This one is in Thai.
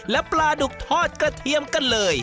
และปลาดุกทอดกระเทียมกันเลย